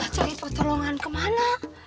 cari pertolongan kemana